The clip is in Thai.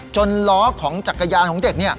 ล้อของจักรยานของเด็ก